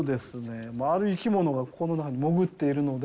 ある生き物がこの中に潜っているので。